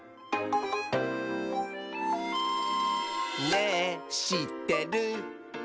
「ねぇしってる？」